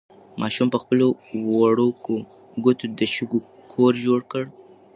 ماشوم په خپلو وړوکو ګوتو د شګو کور جوړ کړ.